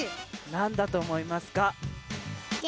なんだと思いますか？